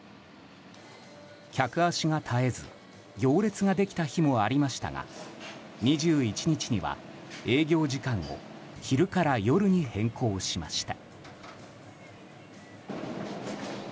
客足が絶えず行列ができた日もありましたが２１日には営業時間を昼から夜に変更しました。